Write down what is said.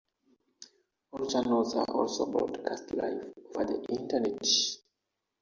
All channels are also broadcast live over the Internet.